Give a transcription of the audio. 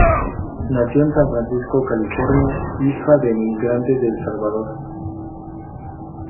Nació en San Francisco, California, hija de emigrantes de El Salvador.